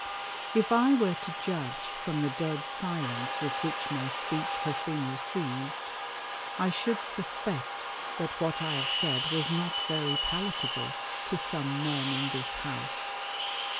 IF I were to judiije from the dead silence with whicK my speech has been received, I should suspect that what J have said was not very palatable to some men in this House.